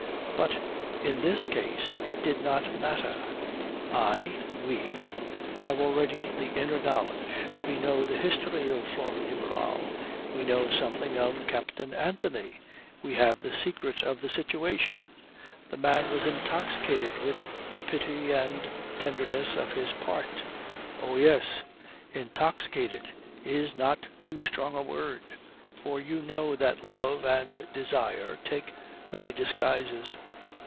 But in this case it did not matter. I we have already the inner knowledge. We know the history of Flora de Barral. We know something of Captain Anthony. We have the secret of the situation. The man was intoxicated with the pity and tenderness of his part. Oh yes! Intoxicated is not too strong a word; for you know that love and desire take many disguises.